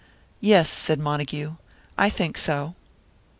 "Yes," said Montague, "I think so."